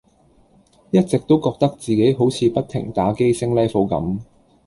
一直都覺得自己好似不停打機升 Level 咁